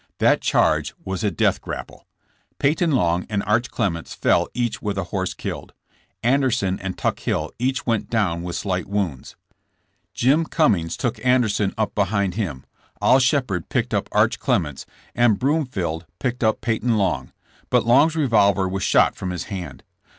That charge was a death grap ple. Peyton Long and Arch Clements fell each with a horse killed. Anderson and Tuck Hill each went down with slight wounds. Jim Cummings took An derson up behind him, Oil Shepherd picked up Arch Clements and Broomfield took up Peyton Long, but Long's revolver was shot from his hand.